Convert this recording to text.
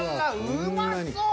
うまそっ！